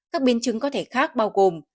các biến chứng có thể khác bao gồm